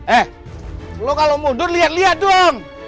eh lu kalau mundur liat liat dong